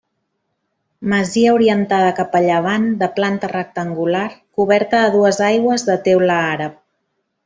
Masia orientada cap a llevant de planta rectangular coberta a dues aigües de teula àrab.